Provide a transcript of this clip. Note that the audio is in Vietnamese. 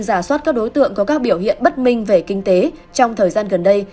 giả soát các đối tượng có các biểu hiện bất minh về kinh tế trong thời gian gần đây